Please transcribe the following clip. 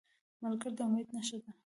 ملګری د امید نښه وي